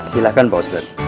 silahkan pak uset